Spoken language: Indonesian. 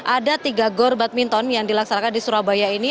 ada tiga gor badminton yang dilaksanakan di surabaya ini